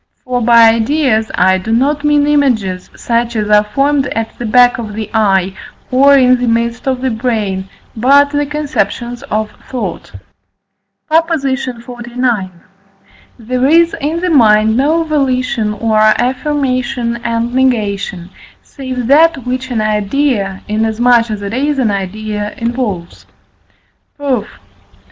For by ideas I do not mean images such as are formed at the back of the eye, or in the midst of the brain, but the conceptions of thought. PROP. XLIX. There is in the mind no volition or affirmation and negation, save that which an idea, inasmuch as it is an idea, involves. Proof.